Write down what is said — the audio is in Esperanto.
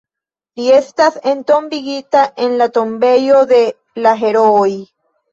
Li estas entombigita en la Tombejo de la Herooj.